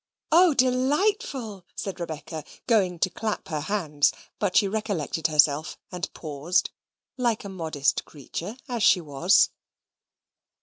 "O, delightful!" said Rebecca, going to clap her hands; but she recollected herself, and paused, like a modest creature, as she was.